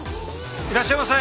いらっしゃいませ！